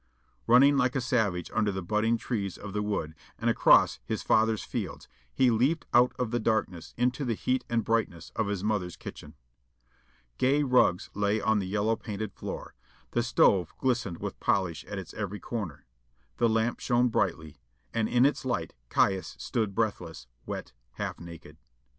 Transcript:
Running like a savage under the budding trees of the wood and across his father's fields, he leaped out of the darkness into the heat and brightness of his mother's kitchen. Gay rugs lay on the yellow painted floor; the stove glistened with polish at its every corner. The lamp shone brightly, and in its light Caius stood breathless, wet, half naked.